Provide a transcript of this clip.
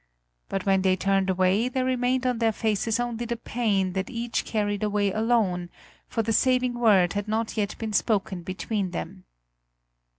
But when they turned away, there remained on their faces only the pain that each carried away alone, for the saving word had not yet been spoken between them.